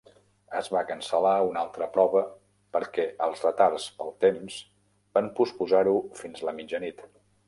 Es va cancel·lar una altra prova perquè els retards pel temps van posposar-ho fins la mitjanit.